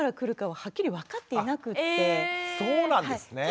そうなんですね。